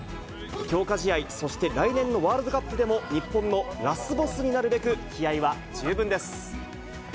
強化試合、そして来年のワールドカップでも、日本のラスボスになるべく、気合いは十分です。